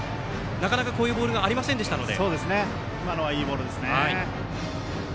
なかなかこういうボールがありませんでしたので。